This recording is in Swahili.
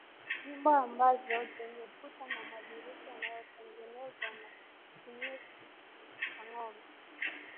Nyumba ambazo zenye kuta na madirisha yanayotengenezwa na kinyesi cha ngombe